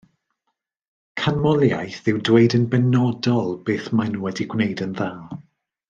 Canmoliaeth yw dweud yn benodol beth maen nhw wedi gwneud yn dda